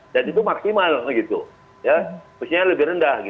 dan itu maksimal maksudnya lebih rendah